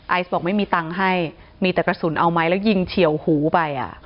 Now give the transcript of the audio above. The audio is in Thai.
บอกไม่มีตังค์ให้มีแต่กระสุนเอาไหมแล้วยิงเฉียวหูไปอ่ะ